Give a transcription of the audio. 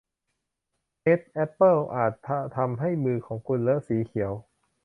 เฮดจ์ แอปเปิ้ลอาจจะทำให้มือของคุณเลอะสีเขียว